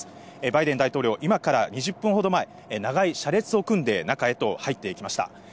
バイデン大統領、今から２０分ほど前、長い車列を組んで中へと入っていきました。